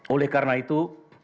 oleh karena itu